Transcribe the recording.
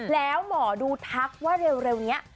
แล้วหมอดูทักว่าเร็วนี้